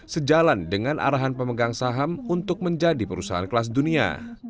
sejalan dengan arahan pemegang saham untuk menjadi perusahaan kelas dunia